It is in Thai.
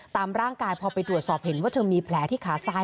ตามร่างกายพอไปตรวจสอบเห็นว่าเธอมีแผลที่ขาซ้าย